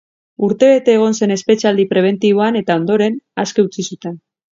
Urtebete egon zen espetxealdi prebentiboan eta ondoren, aske utzi zuten.